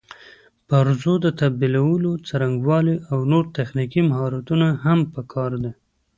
د پرزو د تبدیلولو څرنګوالي او نور تخنیکي مهارتونه هم پکار دي.